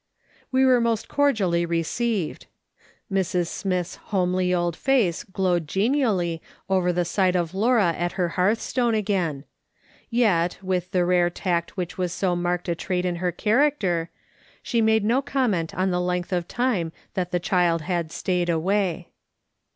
We were most cordially received. Mrs. Smitli's ''SHO! THAT ARGUMENT Upsets ITSELF.'' 265 homely old face glowed genially over the sight of Laura at her hearthstone again ; yet, with the rare tact which was so marked a trait in her character, she made no comment on the length of time that the child had stayed away.